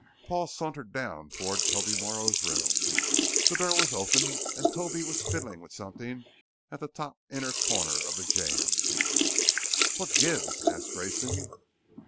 Paul sauntered down toward Toby Morrow's room. The door was open and Toby was fiddling with something at the top inner corner of the jamb. "What gives?" asked Grayson.